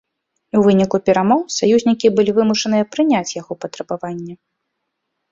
У выніку перамоў саюзнікі былі вымушаныя прыняць яго патрабаванне.